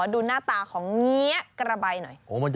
ดูหน้าตาของเงี้ยกระใบหน่อย